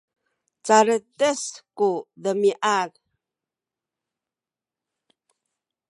caledes ku demiad